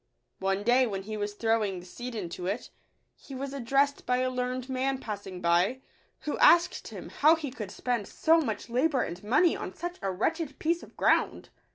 One day, when he was throwing the seed into it, he was addressed by a learned man passing by, who asked him how he could spend so mugh labour and money on such a wretched piece of ground